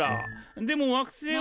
でも惑星は。